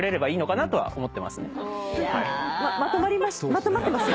まとまってます？